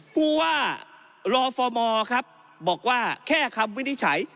ผู้ว่ารฟมครับบอกว่าแค่คำวินิจฉัย